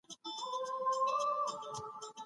دغه کڅوڼه په رښتیا ډېره ښکلې ده.